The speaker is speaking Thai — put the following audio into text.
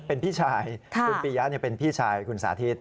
เป็นพี่ชายคุณปียะเป็นพี่ชายคุณสาธิต